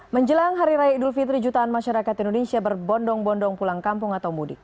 menjelang hari raya idul fitri jutaan masyarakat indonesia berbondong bondong pulang kampung atau mudik